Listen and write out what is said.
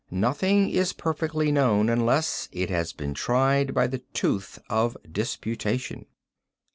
Nothing is perfectly known unless it has been tried by the tooth of disputation.